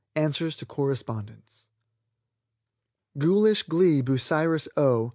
ANSWERS TO CORRESPONDENTS. _"Ghoulish Glee," Bucyrus, O.